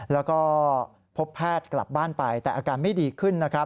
แล้วก็พบแพทย์กลับบ้านไปแต่อาการไม่ดีขึ้นนะครับ